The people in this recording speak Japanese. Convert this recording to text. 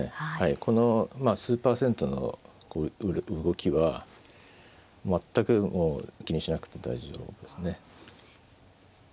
この数％の動きは全くもう気にしなくて大丈夫ですね。